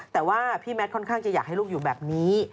แต่ว่าพี่แมทค่อนข้างจะอยากให้ลูกอยู่แบบนี้